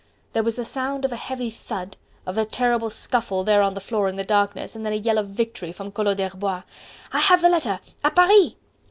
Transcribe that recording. There was the sound of a heavy thud, of a terrible scuffle there on the floor in the darkness and then a yell of victory from Collot d'Herbois. "I have the letter! A Paris!"